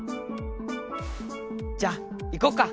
じゃあ行こっか